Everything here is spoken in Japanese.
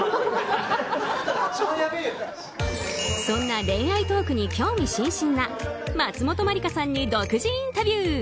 そんな恋愛トークに興味津々な松本まりかさんに独自インタビュー